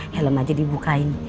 helm aja dibukain